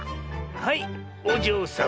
はいおじょうさま。